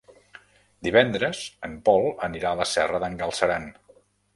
Divendres en Pol anirà a la Serra d'en Galceran.